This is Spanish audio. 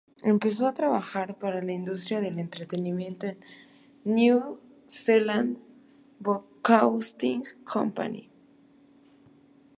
Empezó a trabajar para la industria del entretenimiento en la New Zealand Broadcasting Company.